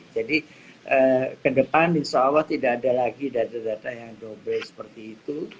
jadi kedepan insya allah tidak ada lagi data data yang dobre seperti itu